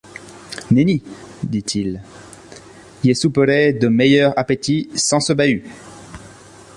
Nenny! dit-il, ie souperay de meilleur appétit sans ce bahut.